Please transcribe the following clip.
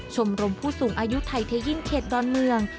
ชมรมผู้สูงอายุไทยเทยินเขตดอนเมือง